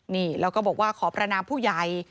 นี่แล้วก็บอกว่าขอประนามผู้ใหญ่